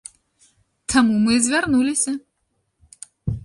Таму мы і звярнуліся.